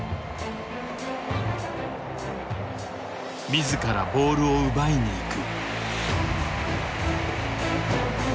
自らボールを奪いにいく。